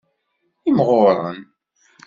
Imɣuren.